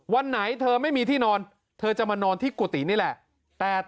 วันไหนเธอไม่มีที่นอนเธอจะมานอนที่กุฏินี่แหละ